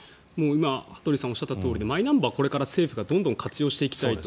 今、羽鳥さんがおっしゃったとおりでマイナンバーをこれから政府がどんどん活用していきたいと。